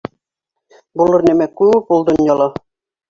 — Булыр нәмә күп ул донъяла.